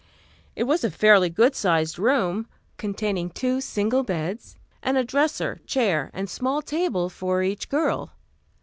It was a fairly good sized room, containing two single beds, and a dresser, chair and small table for each girl.